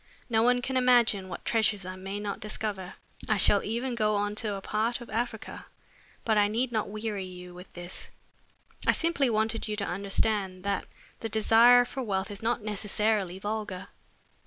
No one can imagine what treasures I may not discover. I shall even go on to a part of Africa but I need not weary you with this. I simply wanted you to understand that the desire for wealth is not necessarily vulgar."